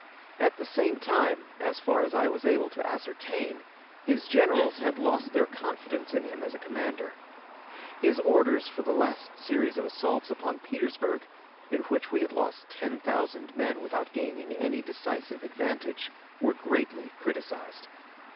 At the same time, as far as I was able to ascertain, his generals had lost their confidence in him as a commander. His orders for the last series of assaults upon Petersburg, in which we lost ten thousand men without gaining any decisive advantage, were greatly criticised.